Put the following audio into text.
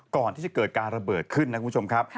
ก่อนที่จะเกิดการระเบิดขึ้นนะคุณผู้ชมครับ